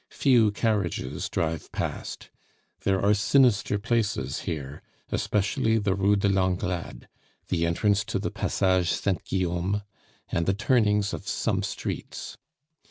Few carriages drive past. There are sinister places here, especially the Rue de Langlade, the entrance to the Passage Saint Guillaume, and the turnings of some streets.